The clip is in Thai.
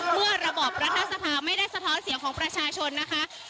เมื่อระบอบรัฐสภาไม่ได้สะท้อนเสียงของประชาชนนะคะ